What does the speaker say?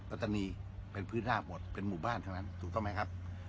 ัตตานีเป็นพื้นราบหมดเป็นหมู่บ้านทั้งนั้นถูกต้องไหมครับ